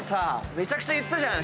めちゃくちゃ言ってたじゃん